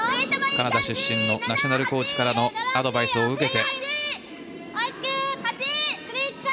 カナダ出身のナショナルコーチからのアドバイスを受けて。